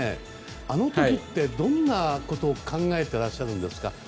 あの時って、どんなことを考えてらっしゃるんですか？